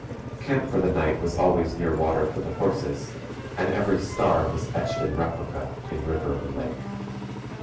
Camp for the night was always near water for the horses; and every star was etched in replica in river or lake.